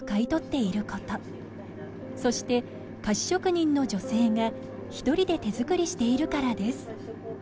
そして菓子職人の女性が１人で手作りしているからです。